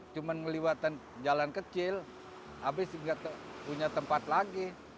cuman meliwatkan jalan kecil habis nggak punya tempat lagi